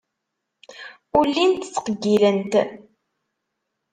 Ur llint ttqeyyilent.